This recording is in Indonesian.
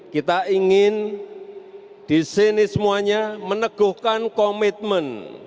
kita ingin disini semuanya meneguhkan komitmen